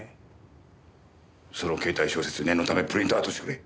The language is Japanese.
そのケータイ小説念のためプリントアウトしてくれ！